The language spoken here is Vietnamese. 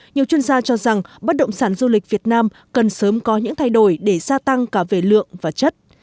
nhiều chuyên gia cho rằng bất động sản du lịch việt nam cần sớm có những thay đổi để gia tăng cả về lượng và chất